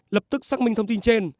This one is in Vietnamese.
lập tức xác minh thông tin trên